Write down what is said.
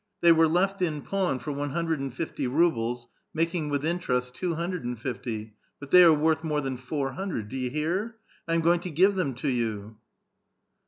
They were left in pawn for one hundred and fifty rubles, making with interest two hundred and fifty ; but they are worth more than four hundred. Do you hear? I am going to give them to you."